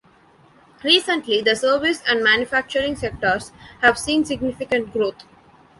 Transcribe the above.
Recently, the service and manufacturing sectors have seen significant growth.